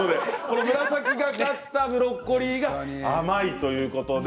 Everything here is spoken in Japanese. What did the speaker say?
紫がかったブロッコリーが甘いということです。